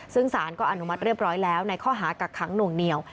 ซึ่งสารก็อนุมัติเรียบร้อยแล้วในข้อหากักขังหน่วงเหนียว